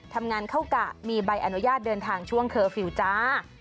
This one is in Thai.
ทำงานเข้ากะมีใบอนุญาตเดินทางช่วงเคอร์ฟิลล์จ้า